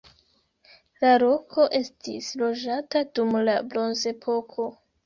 La loko estis loĝata dum la bronzepoko.